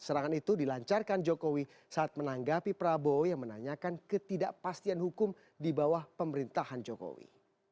serangan itu dilancarkan jokowi saat menanggapi prabowo yang menanyakan ketidakpastian hukum di bawah pemerintahan jokowi